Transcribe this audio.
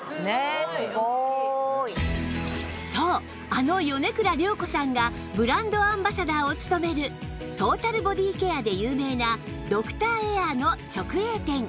そうあの米倉涼子さんがブランドアンバサダーを務めるトータルボディーケアで有名なドクターエアの直営店